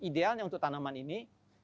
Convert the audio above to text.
idealnya untuk tanaman ini